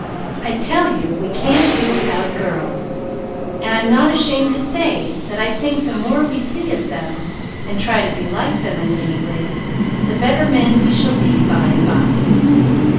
I tell you we can't do without girls, and I'm not ashamed to say that I think the more we see of them, and try to be like them in many ways, the better men we shall be by and by."